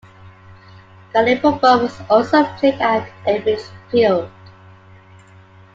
Gaelic football was also played at Ebbets Field.